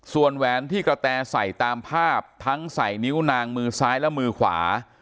ส่วนแหวนที่กระแตใส่ตามภาพทั้งใส่นิ้วนางมือซ้ายและมือขวา